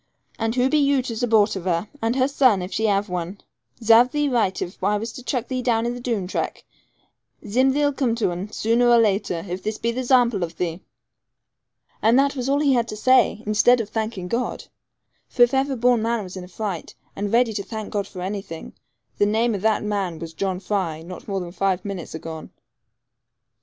And who be you to zupport of her, and her son, if she have one? Zarve thee right if I was to chuck thee down into the Doone track. Zim thee'll come to un, zooner or later, if this be the zample of thee.' And that was all he had to say, instead of thanking God! For if ever born man was in a fright, and ready to thank God for anything, the name of that man was John Fry not more than five minutes agone.